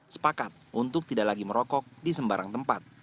sepakat untuk tidak lagi merokok di sembarang tempat